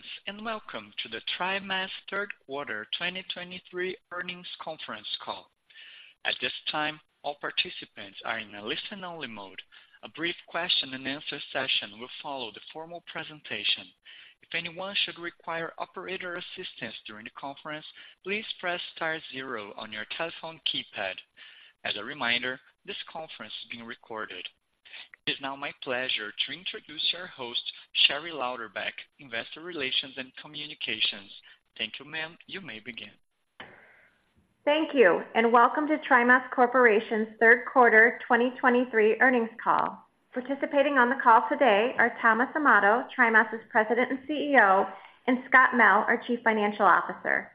Greetings, and welcome to the TriMas third quarter 2023 earnings conference call. At this time, all participants are in a listen-only mode. A brief question and answer session will follow the formal presentation. If anyone should require operator assistance during the conference, please press star zero on your telephone keypad. As a reminder, this conference is being recorded. It is now my pleasure to introduce our host, Sherry Lauderback, Investor Relations and Communications. Thank you, ma'am. You may begin. Thank you, and welcome to TriMas Corporation's third quarter 2023 earnings call. Participating on the call today are Tom Amato, TriMas's President and CEO, and Scott Mell, our Chief Financial Officer.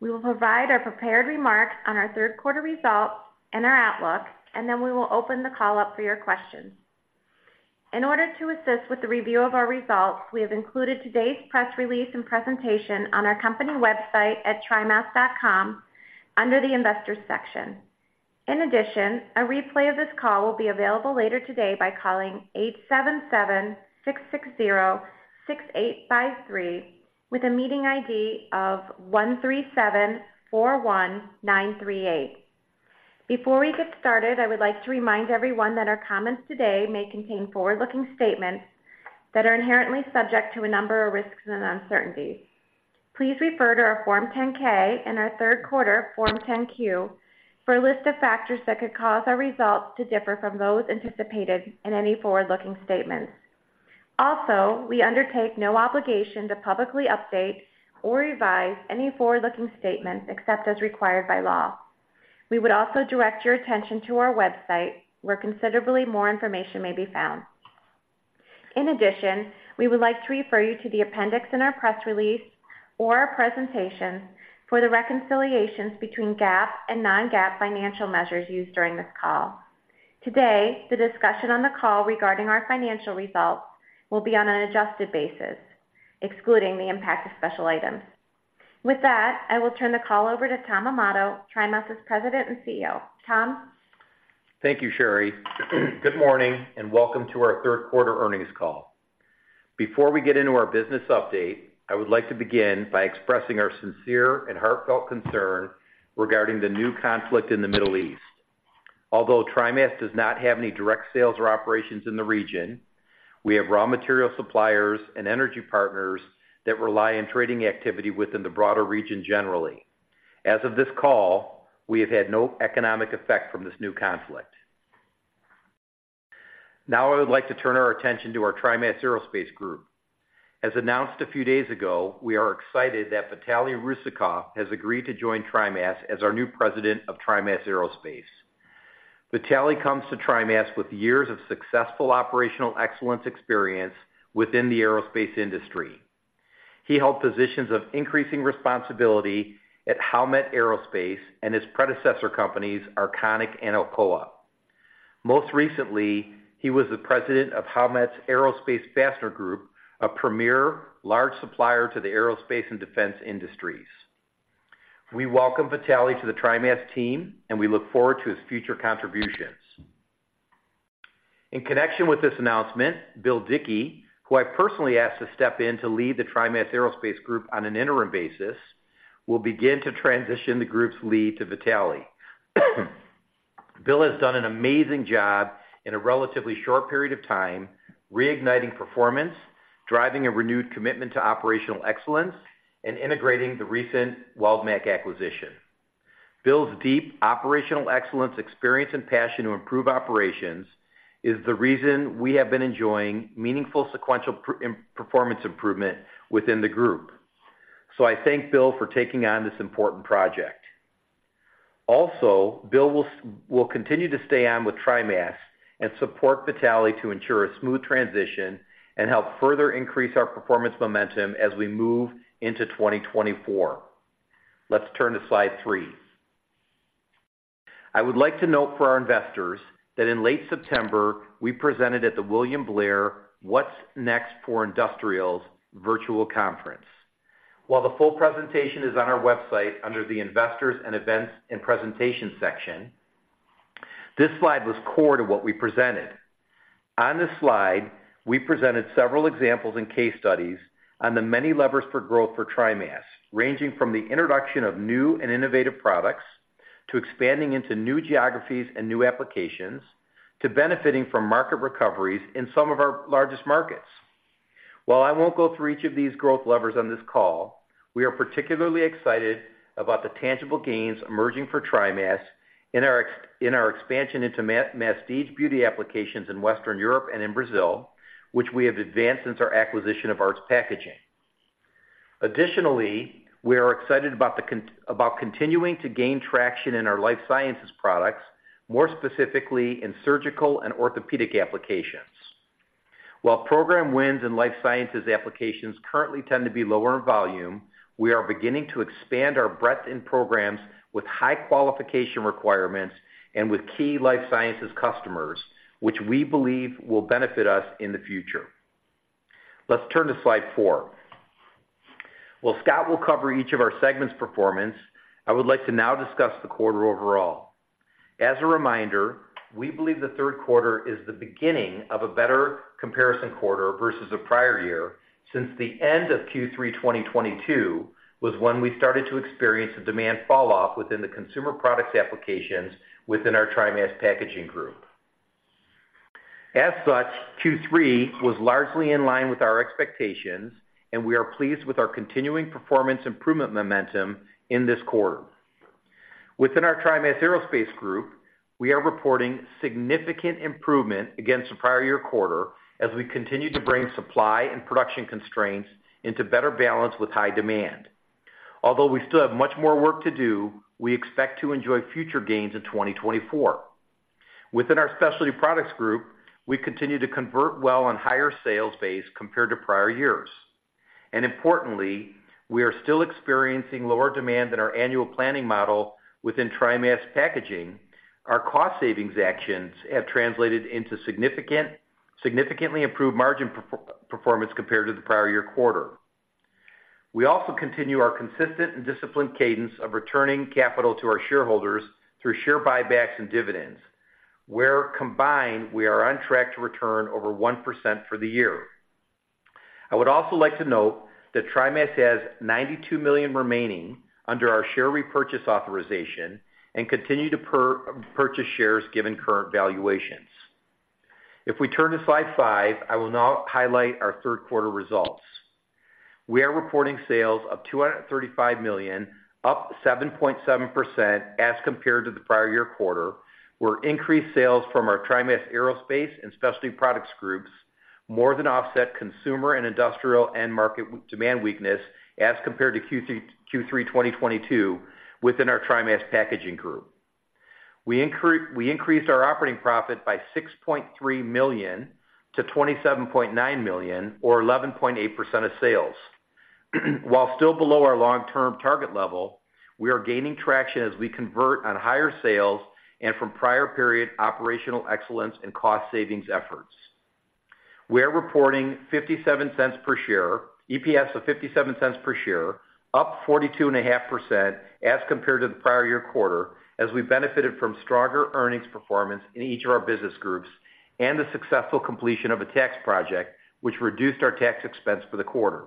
We will provide our prepared remarks on our third quarter results and our outlook, and then we will open the call up for your questions. In order to assist with the review of our results, we have included today's press release and presentation on our company website at trimas.com under the Investors section. In addition, a replay of this call will be available later today by calling 877-660-6853, with a meeting ID of 13741938. Before we get started, I would like to remind everyone that our comments today may contain forward-looking statements that are inherently subject to a number of risks and uncertainties. Please refer to our Form 10-K and our third quarter Form 10-Q for a list of factors that could cause our results to differ from those anticipated in any forward-looking statements. Also, we undertake no obligation to publicly update or revise any forward-looking statements except as required by law. We would also direct your attention to our website, where considerably more information may be found. In addition, we would like to refer you to the appendix in our press release or our presentation for the reconciliations between GAAP and non-GAAP financial measures used during this call. Today, the discussion on the call regarding our financial results will be on an adjusted basis, excluding the impact of special items. With that, I will turn the call over to Tom Amato, TriMas's President and CEO. Tom? Thank you, Sherry. Good morning, and welcome to our third quarter earnings call. Before we get into our business update, I would like to begin by expressing our sincere and heartfelt concern regarding the new conflict in the Middle East. Although TriMas does not have any direct sales or operations in the region, we have raw material suppliers and energy partners that rely on trading activity within the broader region generally. As of this call, we have had no economic effect from this new conflict. Now, I would like to turn our attention to our TriMas Aerospace Group. As announced a few days ago, we are excited that Vitaliy Rusakov has agreed to join TriMas as our new president of TriMas Aerospace. Vitaliy comes to TriMas with years of successful operational excellence experience within the aerospace industry. He held positions of increasing responsibility at Howmet Aerospace and his predecessor companies, Arconic and Alcoa. Most recently, he was the president of Howmet's Aerospace Fastener Group, a premier large supplier to the aerospace and defense industries. We welcome Vitaliy to the TriMas team, and we look forward to his future contributions. In connection with this announcement, Bill Dickey, who I personally asked to step in to lead the TriMas Aerospace group on an interim basis, will begin to transition the group's lead to Vitaliy. Bill has done an amazing job in a relatively short period of time, reigniting performance, driving a renewed commitment to operational excellence, and integrating the recent Weldmac acquisition. Bill's deep operational excellence, experience, and passion to improve operations is the reason we have been enjoying meaningful sequential performance improvement within the group. So I thank Bill for taking on this important project. Also, Bill will continue to stay on with TriMas and support Vitaliy to ensure a smooth transition and help further increase our performance momentum as we move into 2024. Let's turn to slide three. I would like to note for our investors that in late September, we presented at the William Blair What's Next for Industrials virtual conference. While the full presentation is on our website under the Investors and Events and Presentation section, this slide was core to what we presented. On this slide, we presented several examples and case studies on the many levers for growth for TriMas, ranging from the introduction of new and innovative products, to expanding into new geographies and new applications, to benefiting from market recoveries in some of our largest markets. While I won't go through each of these growth levers on this call, we are particularly excited about the tangible gains emerging for TriMas in our in our expansion into masstige beauty applications in Western Europe and in Brazil, which we have advanced since our acquisition of Aarts Packaging. Additionally, we are excited about about continuing to gain traction in our life sciences products, more specifically in surgical and orthopedic applications. While program wins and life sciences applications currently tend to be lower in volume, we are beginning to expand our breadth in programs with high qualification requirements and with key life sciences customers, which we believe will benefit us in the future. Let's turn to slide four... While Scott will cover each of our segments' performance, I would like to now discuss the quarter overall. As a reminder, we believe the third quarter is the beginning of a better comparison quarter versus the prior year, since the end of Q3 2022 was when we started to experience a demand falloff within the consumer products applications within our TriMas Packaging group. As such, Q3 was largely in line with our expectations, and we are pleased with our continuing performance improvement momentum in this quarter. Within our TriMas Aerospace group, we are reporting significant improvement against the prior year quarter as we continue to bring supply and production constraints into better balance with high demand. Although we still have much more work to do, we expect to enjoy future gains in 2024. Within our Specialty Products group, we continue to convert well on higher sales base compared to prior years. Importantly, we are still experiencing lower demand than our annual planning model within TriMas Packaging. Our cost savings actions have translated into significantly improved margin performance compared to the prior-year quarter. We also continue our consistent and disciplined cadence of returning capital to our shareholders through share buybacks and dividends, where combined, we are on track to return over 1% for the year. I would also like to note that TriMas has $92 million remaining under our share repurchase authorization and continue to purchase shares given current valuations. If we turn to slide five, I will now highlight our third quarter results. We are reporting sales of $235 million, up 7.7% as compared to the prior year quarter, where increased sales from our TriMas Aerospace and Specialty Products groups more than offset consumer and industrial end market demand weakness as compared to Q3 2022 within our TriMas Packaging group. We increased our operating profit by $6.3 million to $27.9 million, or 11.8% of sales. While still below our long-term target level, we are gaining traction as we convert on higher sales and from prior period operational excellence and cost savings efforts. We are reporting $0.57 per share—EPS of $0.57 per share, up 42.5% as compared to the prior year quarter, as we benefited from stronger earnings performance in each of our business groups and the successful completion of a tax project, which reduced our tax expense for the quarter.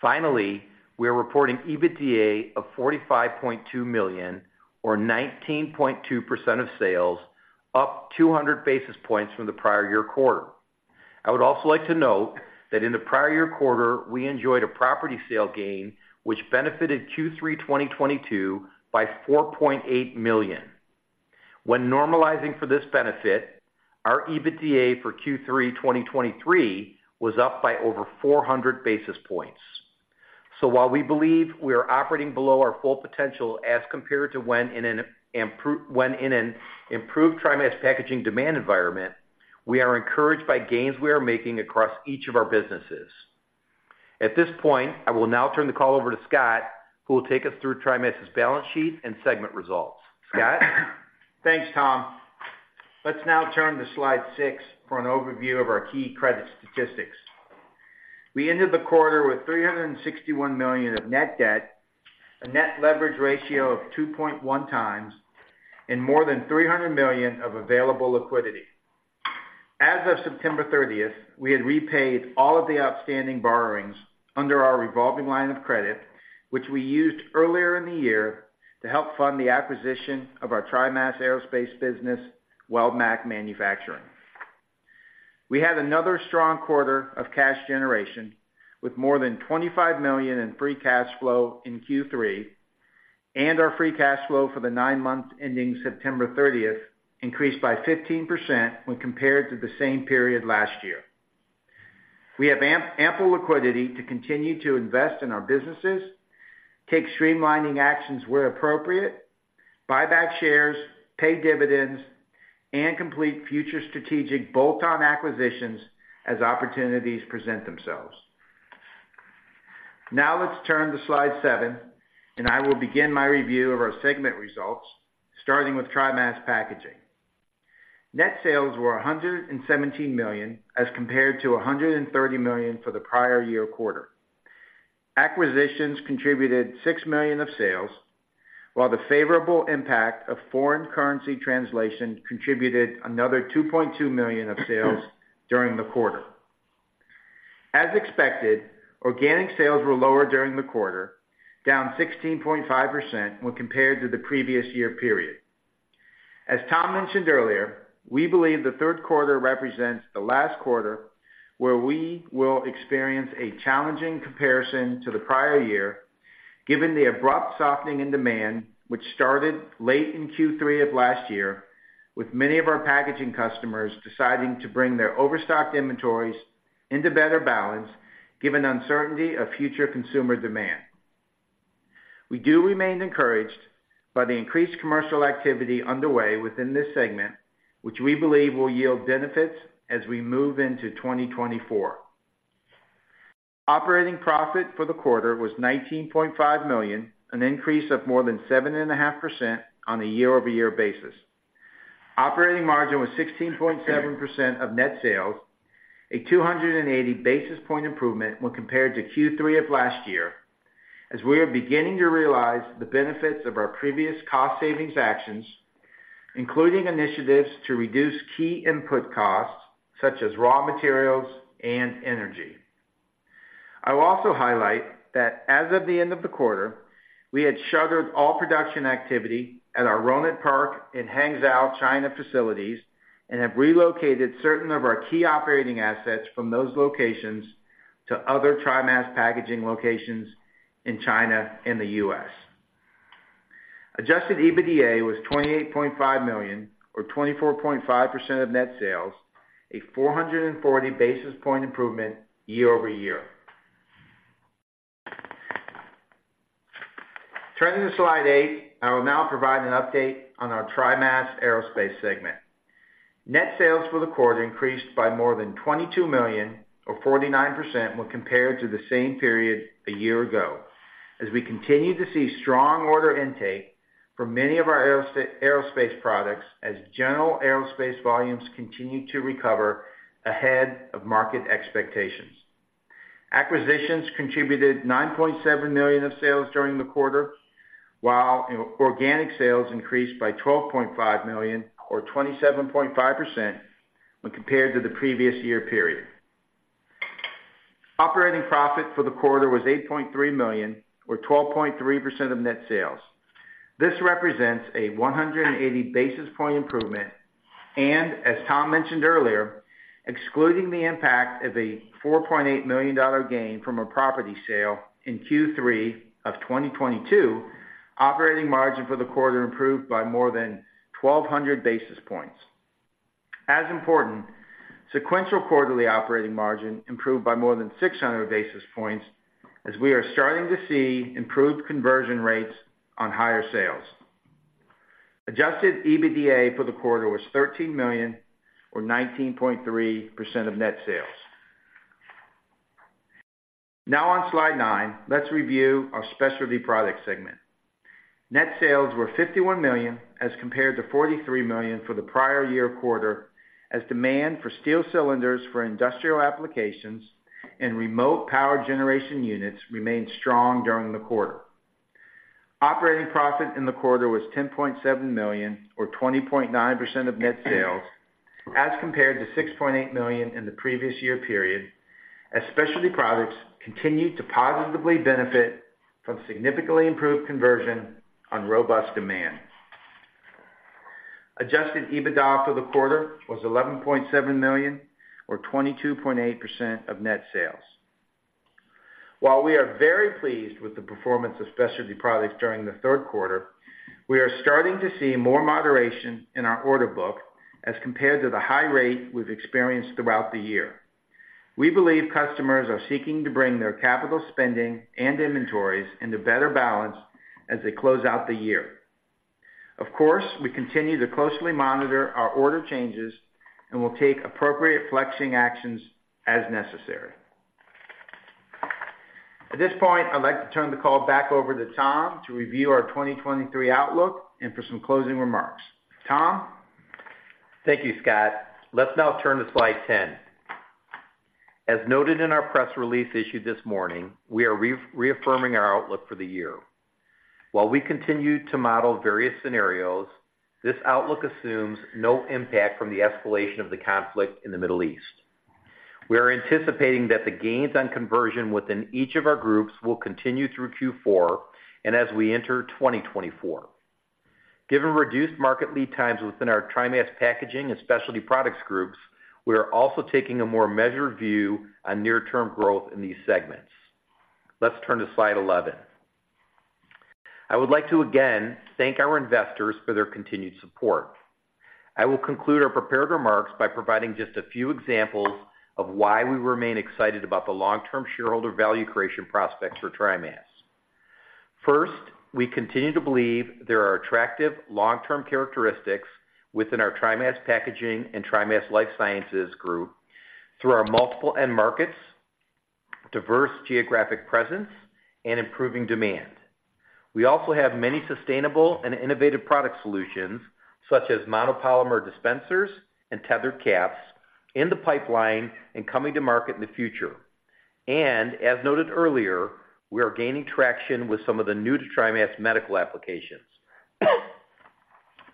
Finally, we are reporting EBITDA of $45.2 million, or 19.2% of sales, up 200 basis points from the prior year quarter. I would also like to note that in the prior year quarter, we enjoyed a property sale gain, which benefited Q3 2022 by $4.8 million. When normalizing for this benefit, our EBITDA for Q3 2023 was up by over 400 basis points. So while we believe we are operating below our full potential as compared to when in an improved TriMas Packaging demand environment, we are encouraged by gains we are making across each of our businesses. At this point, I will now turn the call over to Scott, who will take us through TriMas's balance sheet and segment results. Scott? Thanks, Tom. Let's now turn to slide six for an overview of our key credit statistics. We ended the quarter with $361 million of net debt, a net leverage ratio of 2.1x, and more than $300 million of available liquidity. As of September thirtieth, we had repaid all of the outstanding borrowings under our revolving line of credit, which we used earlier in the year to help fund the acquisition of our TriMas Aerospace business, Weldmac Manufacturing. We had another strong quarter of cash generation, with more than $25 million in free cash flow in Q3, and our free cash flow for the nine months ending September thirtieth increased by 15% when compared to the same period last year. We have ample liquidity to continue to invest in our businesses, take streamlining actions where appropriate, buy back shares, pay dividends, and complete future strategic bolt-on acquisitions as opportunities present themselves. Now let's turn to slide seven, and I will begin my review of our segment results, starting with TriMas Packaging. Net sales were $117 million, as compared to $130 million for the prior year quarter. Acquisitions contributed $6 million of sales, while the favorable impact of foreign currency translation contributed another $2.2 million of sales during the quarter. As expected, organic sales were lower during the quarter, down 16.5% when compared to the previous year period. As Tom mentioned earlier, we believe the third quarter represents the last quarter where we will experience a challenging comparison to the prior year, given the abrupt softening in demand, which started late in Q3 of last year, with many of our packaging customers deciding to bring their overstocked inventories into better balance, given uncertainty of future consumer demand. We do remain encouraged by the increased commercial activity underway within this segment, which we believe will yield benefits as we move into 2024. Operating profit for the quarter was $19.5 million, an increase of more than 7.5% on a year-over-year basis.... Operating margin was 16.7% of net sales, a 280 basis point improvement when compared to Q3 of last year, as we are beginning to realize the benefits of our previous cost savings actions, including initiatives to reduce key input costs, such as raw materials and energy. I will also highlight that as of the end of the quarter, we had shuttered all production activity at our Rohnert Park in Hangzhou China facilities, and have relocated certain of our key operating assets from those locations to other TriMas Packaging locations in China and the U.S. Adjusted EBITDA was $28.5 million, or 24.5% of net sales, a 440 basis point improvement year-over-year. Turning to slide eight. I will now provide an update on our TriMas Aerospace segment. Net sales for the quarter increased by more than $22 million or 49% when compared to the same period a year ago, as we continue to see strong order intake from many of our aerospace products, as general aerospace volumes continue to recover ahead of market expectations. Acquisitions contributed $9.7 million of sales during the quarter, while organic sales increased by $12.5 million, or 27.5%, when compared to the previous year period. Operating profit for the quarter was $8.3 million or 12.3% of net sales. This represents a 180 basis point improvement, and as Tom mentioned earlier, excluding the impact of a $4.8 million gain from a property sale in Q3 of 2022, operating margin for the quarter improved by more than 1200 basis points. As important, sequential quarterly operating margin improved by more than 600 basis points, as we are starting to see improved conversion rates on higher sales. Adjusted EBITDA for the quarter was $13 million, or 19.3% of net sales. Now on slide nine, let's review our Specialty Products segment. Net sales were $51 million, as compared to $43 million for the prior year quarter, as demand for steel cylinders for industrial applications and remote power generation units remained strong during the quarter. Operating profit in the quarter was $10.7 million, or 20.9% of net sales, as compared to $6.8 million in the previous year period, as Specialty Products continued to positively benefit from significantly improved conversion on robust demand. Adjusted EBITDA for the quarter was $11.7 million, or 22.8% of net sales. While we are very pleased with the performance of Specialty Products during the third quarter, we are starting to see more moderation in our order book as compared to the high rate we've experienced throughout the year. We believe customers are seeking to bring their capital spending and inventories into better balance as they close out the year. Of course, we continue to closely monitor our order changes and will take appropriate flexing actions as necessary. At this point, I'd like to turn the call back over to Tom to review our 2023 outlook and for some closing remarks. Tom? Thank you, Scott. Let's now turn to slide 10. As noted in our press release issued this morning, we are reaffirming our outlook for the year. While we continue to model various scenarios, this outlook assumes no impact from the escalation of the conflict in the Middle East. We are anticipating that the gains on conversion within each of our groups will continue through Q4 and as we enter 2024. Given reduced market lead times within our TriMas Packaging and Specialty Products groups, we are also taking a more measured view on near-term growth in these segments. Let's turn to slide 11. I would like to again thank our investors for their continued support. I will conclude our prepared remarks by providing just a few examples of why we remain excited about the long-term shareholder value creation prospects for TriMas. First, we continue to believe there are attractive long-term characteristics within our TriMas Packaging and TriMas Life Sciences group through our multiple end markets, diverse geographic presence, and improving demand. We also have many sustainable and innovative product solutions, such as monopolymer dispensers and tethered caps, in the pipeline and coming to market in the future. As noted earlier, we are gaining traction with some of the new to TriMas medical applications.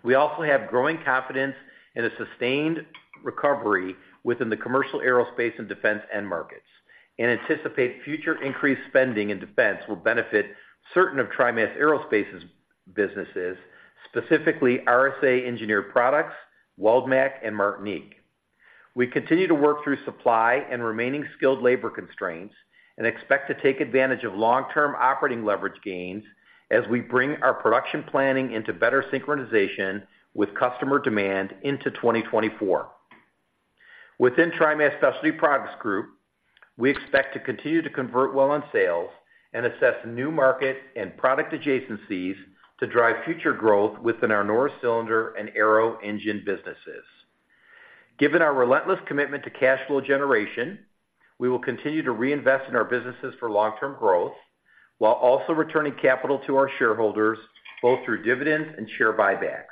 We also have growing confidence in a sustained recovery within the commercial aerospace and defense end markets, and anticipate future increased spending in defense will benefit certain of TriMas Aerospace's businesses, specifically RSA Engineered Products, Weldmac, and Martinic. We continue to work through supply and remaining skilled labor constraints, and expect to take advantage of long-term operating leverage gains as we bring our production planning into better synchronization with customer demand into 2024. Within TriMas Specialty Products Group, we expect to continue to convert well on sales and assess new market and product adjacencies to drive future growth within our Norris Cylinder and Arrow Engine businesses. Given our relentless commitment to cash flow generation, we will continue to reinvest in our businesses for long-term growth, while also returning capital to our shareholders, both through dividends and share buybacks.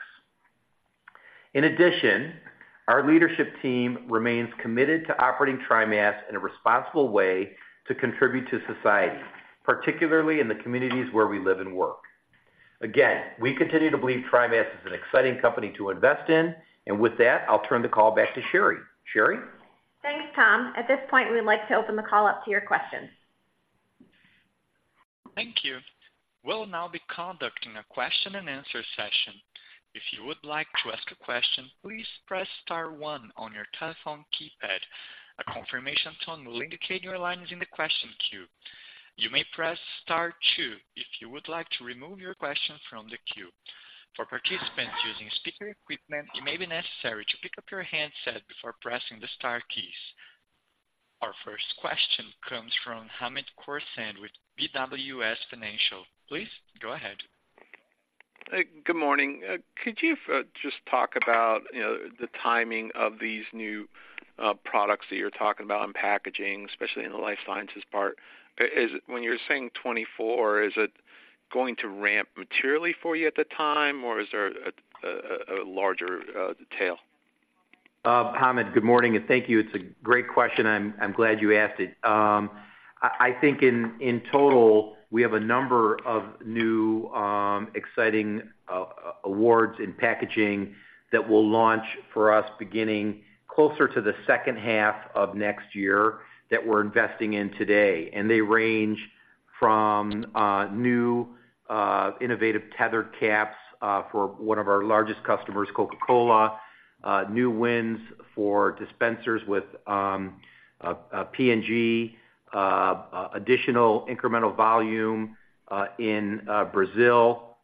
In addition, our leadership team remains committed to operating TriMas in a responsible way to contribute to society, particularly in the communities where we live and work. Again, we continue to believe TriMas is an exciting company to invest in. With that, I'll turn the call back to Sherry. Sherry? Thanks, Tom. At this point, we'd like to open the call up to your questions. Thank you. We'll now be conducting a question-and-answer session. If you would like to ask a question, please press star one on your telephone keypad. A confirmation tone will indicate your line is in the question queue. You may press star two if you would like to remove your question from the queue. For participants using speaker equipment, it may be necessary to pick up your handset before pressing the star keys. Our first question comes from Hamid Khorsand with BWS Financial. Please go ahead. Good morning. Could you just talk about, you know, the timing of these new products that you're talking about in packaging, especially in the life sciences part? When you're saying 2024, is it going to ramp materially for you at the time, or is there a larger detail? Hamid, good morning, and thank you. It's a great question, I'm glad you asked it. I think in total, we have a number of new exciting awards in packaging that will launch for us beginning closer to the second half of next year that we're investing in today. They range from new innovative tethered caps for one of our largest customers, Coca-Cola. New wins for dispensers with P&G. Additional incremental volume in Brazil,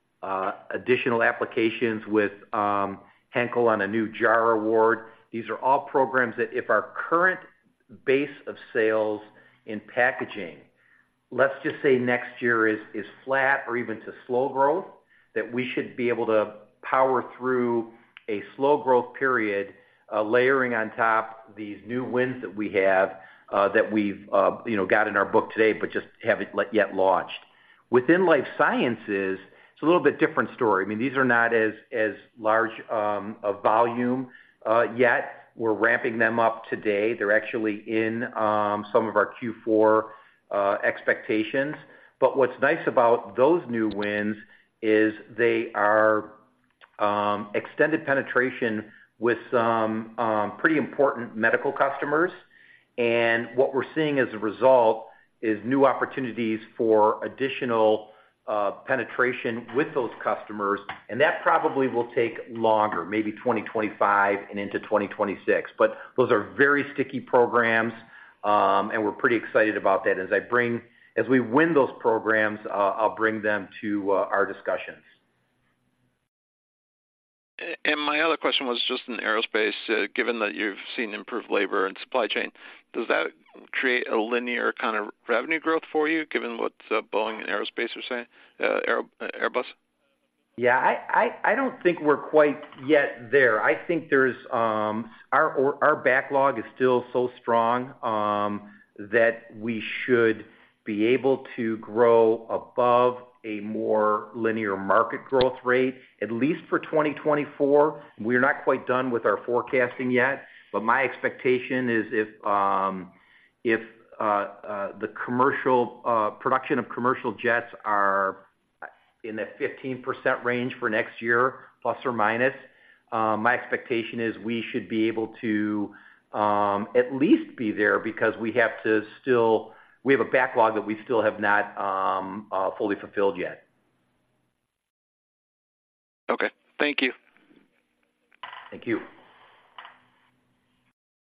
additional applications with Henkel on a new jar award. These are all programs that if our current base of sales in packaging, let's just say next year is, is flat or even to slow growth, that we should be able to power through a slow growth period, layering on top these new wins that we have, that we've, you know, got in our book today, but just haven't launched yet. Within life sciences, it's a little bit different story. I mean, these are not as large a volume yet. We're ramping them up today. They're actually in some of our Q4 expectations. But what's nice about those new wins is they are extended penetration with some pretty important medical customers. What we're seeing as a result is new opportunities for additional penetration with those customers, and that probably will take longer, maybe 2025 and into 2026. But those are very sticky programs, and we're pretty excited about that. As we win those programs, I'll bring them to our discussions. My other question was just in aerospace. Given that you've seen improved labor and supply chain, does that create a linear kind of revenue growth for you, given what Boeing and Airbus are saying? Yeah, I don't think we're quite yet there. I think there's our backlog is still so strong that we should be able to grow above a more linear market growth rate, at least for 2024. We're not quite done with our forecasting yet, but my expectation is if the commercial production of commercial jets are in the 15% range for next year, ±, my expectation is we should be able to at least be there because we have to still we have a backlog that we still have not fully fulfilled yet. Okay. Thank you. Thank you.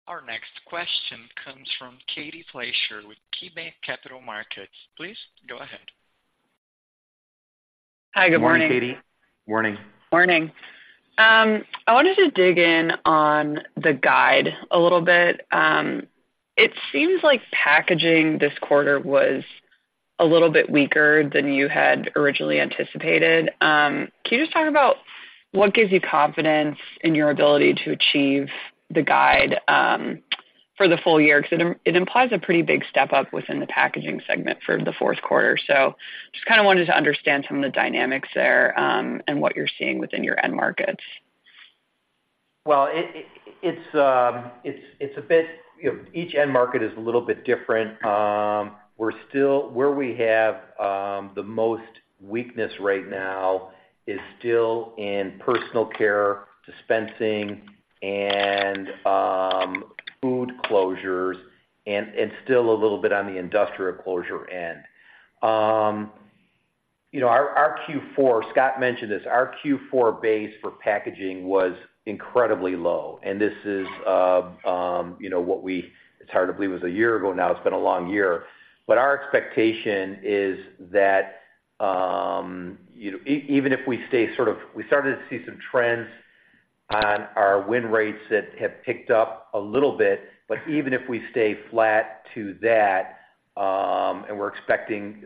Our next question comes from Katie Fleischer with KeyBanc Capital Markets. Please go ahead. Hi, good morning. Good morning, Katie. Morning. Morning. I wanted to dig in on the guide a little bit. It seems like packaging this quarter was a little bit weaker than you had originally anticipated. Can you just talk about what gives you confidence in your ability to achieve the guide for the full year? Because it implies a pretty big step up within the packaging segment for the fourth quarter. So just kind of wanted to understand some of the dynamics there, and what you're seeing within your end markets. Well, it's a bit. You know, each end market is a little bit different. We're still where we have the most weakness right now is still in personal care, dispensing and food closures, and it's still a little bit on the industrial closure end. You know, our Q4, Scott mentioned this, our Q4 base for packaging was incredibly low, and this is, you know, what we- it's hard to believe it was a year ago now. It's been a long year. But our expectation is that, you know, even if we stay sort of- We started to see some trends on our win rates that have picked up a little bit, but even if we stay flat to that. And we're expecting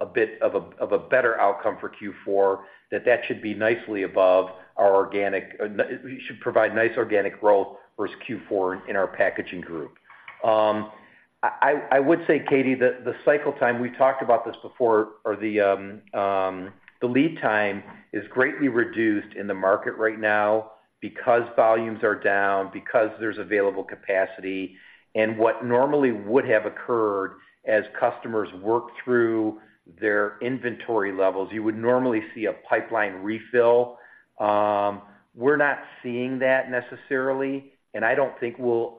a bit of a better outcome for Q4, that should be nicely above our organic—it should provide nice organic growth versus Q4 in our packaging group. I would say, Katie, the cycle time, we've talked about this before, or the lead time is greatly reduced in the market right now because volumes are down, because there's available capacity. And what normally would have occurred as customers work through their inventory levels, you would normally see a pipeline refill. We're not seeing that necessarily, and I don't think we'll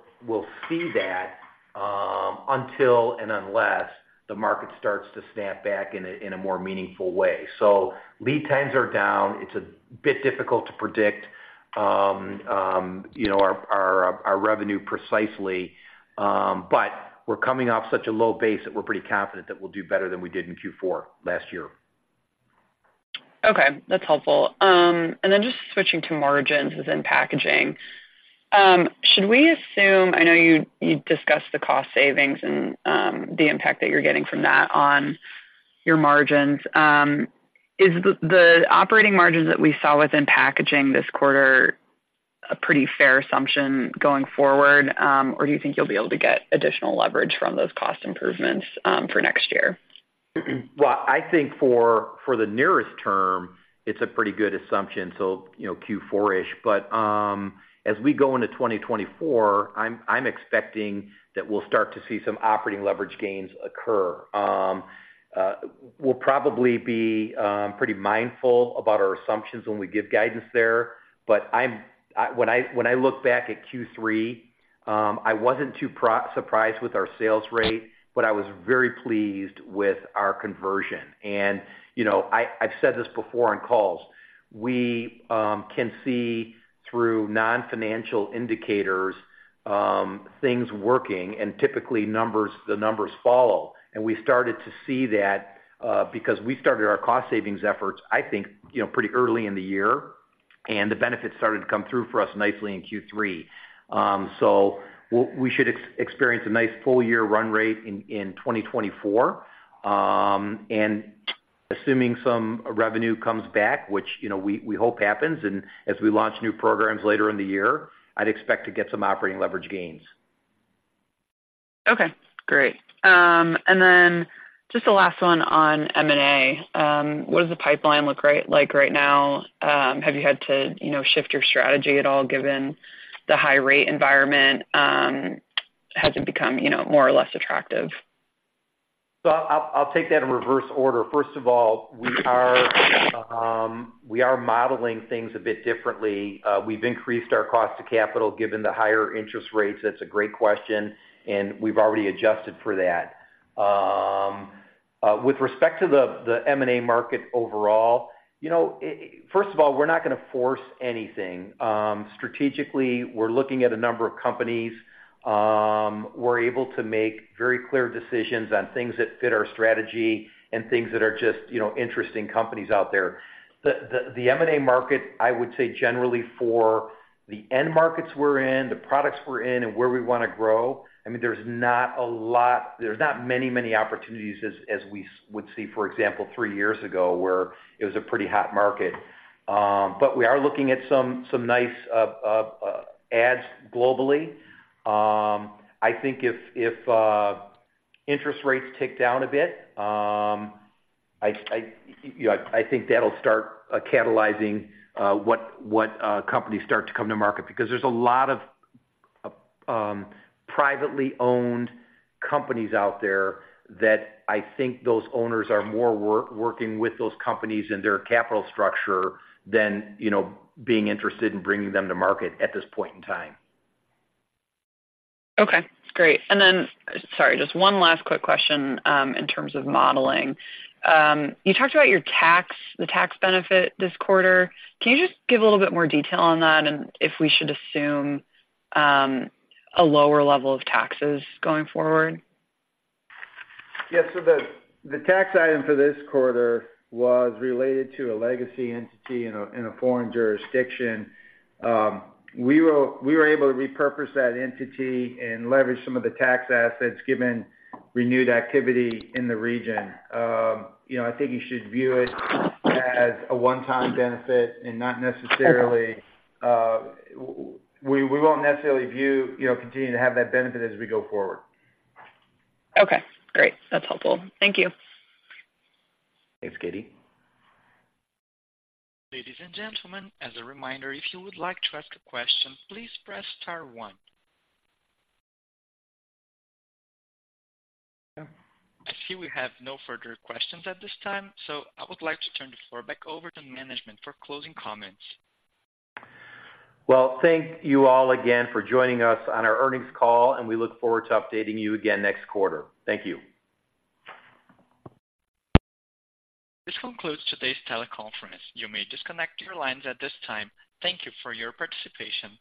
see that until and unless the market starts to snap back in a more meaningful way. So lead times are down. It's a bit difficult to predict, you know, our revenue precisely, but we're coming off such a low base that we're pretty confident that we'll do better than we did in Q4 last year. Okay, that's helpful. And then just switching to margins within packaging. Should we assume—I know you, you discussed the cost savings and, the impact that you're getting from that on your margins. Is the operating margins that we saw within packaging this quarter a pretty fair assumption going forward? Or do you think you'll be able to get additional leverage from those cost improvements, for next year? Well, I think for the nearest term, it's a pretty good assumption, so, you know, Q4-ish. But as we go into 2024, I'm expecting that we'll start to see some operating leverage gains occur. We'll probably be pretty mindful about our assumptions when we give guidance there, but when I look back at Q3, I wasn't too surprised with our sales rate, but I was very pleased with our conversion. And, you know, I've said this before on calls, we can see through non-financial indicators, things working, and typically the numbers follow. And we started to see that, because we started our cost savings efforts, I think, you know, pretty early in the year, and the benefits started to come through for us nicely in Q3. So we should experience a nice full year run rate in 2024. And assuming some revenue comes back, which, you know, we hope happens, and as we launch new programs later in the year, I'd expect to get some operating leverage gains. Okay, great. And then just the last one on M&A. What does the pipeline look like right now? Have you had to, you know, shift your strategy at all, given the high rate environment? Has it become, you know, more or less attractive? So I'll, I'll take that in reverse order. First of all, we are, we are modeling things a bit differently. We've increased our cost to capital, given the higher interest rates. That's a great question, and we've already adjusted for that. With respect to the, the M&A market overall, you know, first of all, we're not gonna force anything. Strategically, we're looking at a number of companies. We're able to make very clear decisions on things that fit our strategy and things that are just, you know, interesting companies out there. The M&A market, I would say, generally, for the end markets we're in, the products we're in, and where we wanna grow, I mean, there's not a lot of opportunities as we would see, for example, three years ago, where it was a pretty hot market. But we are looking at some nice adds globally. I think if interest rates tick down a bit, you know, I think that'll start catalyzing what companies start to come to market. Because there's a lot of privately owned companies out there that I think those owners are more working with those companies and their capital structure than, you know, being interested in bringing them to market at this point in time. Okay, great. And then, sorry, just one last quick question, in terms of modeling. You talked about your tax, the tax benefit this quarter. Can you just give a little bit more detail on that and if we should assume, a lower level of taxes going forward? Yes. So the tax item for this quarter was related to a legacy entity in a foreign jurisdiction. We were able to repurpose that entity and leverage some of the tax assets, given renewed activity in the region. You know, I think you should view it as a one-time benefit and not necessarily... We won't necessarily view, you know, continuing to have that benefit as we go forward. Okay, great. That's helpful. Thank you. Thanks, Katie. Ladies and gentlemen, as a reminder, if you would like to ask a question, please press star one. I see we have no further questions at this time, so I would like to turn the floor back over to management for closing comments. Well, thank you all again for joining us on our earnings call, and we look forward to updating you again next quarter. Thank you. This concludes today's teleconference. You may disconnect your lines at this time. Thank you for your participation.